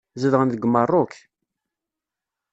Zedɣen deg Meṛṛuk.